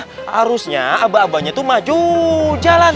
seharusnya abah abahnya maju jalan